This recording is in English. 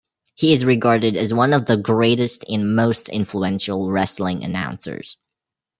He is regarded as one of the greatest and most influential wrestling announcers.